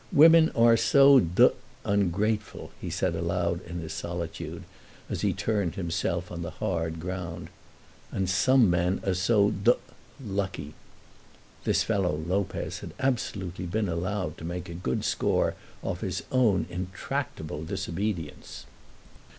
"Women are so d ungrateful!" he said aloud in his solitude, as he turned himself on the hard ground. "And some men are so d lucky!" This fellow, Lopez, had absolutely been allowed to make a good score off his own intractable disobedience.